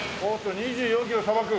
２４キロさばく？